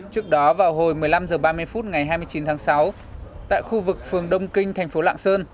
trước đó vào hồi một mươi năm h ba mươi phút ngày hai mươi chín tháng sáu tại khu vực phường đông kinh thành phố lạng sơn